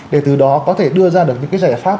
để từ đó có thể đưa ra được những cái giải pháp